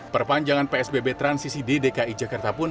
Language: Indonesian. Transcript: perpanjangan psbb transisi di dki jakarta pun